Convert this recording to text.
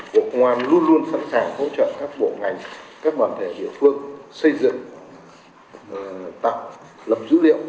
bộ công an luôn luôn sẵn sàng hỗ trợ các bộ ngành các đoàn thể địa phương xây dựng tạo lập dữ liệu